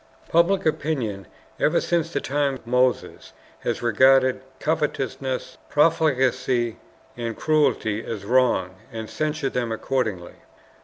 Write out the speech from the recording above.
Public opinion ever since the time of Moses has regarded covetousness, profligacy, and cruelty as wrong, and censured them accordingly.